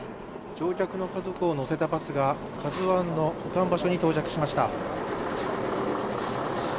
乗客の家族を乗せたバスが「ＫＡＺＵⅠ」の保管場所に到着しました。